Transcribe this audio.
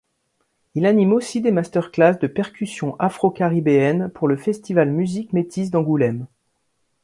Il anime aussi des master-class de percussions afro-caribéennes pour le festival musiques métisses d'Angoulême.